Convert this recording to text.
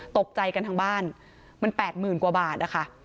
ตกใจกันทั้งบ้านมัน๘๐๐๐กว่าบาทนะคะ